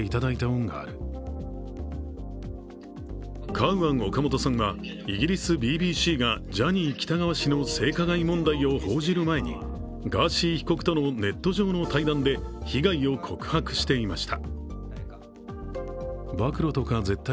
カウアン・オカモトさんはイギリスＢＢＣがジャニー喜多川氏の性加害問題を報じる前にガーシー被告とのネット上の対談で被害を告白していました。